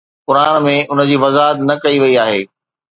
قرآن ۾ ان جي وضاحت نه ڪئي وئي آهي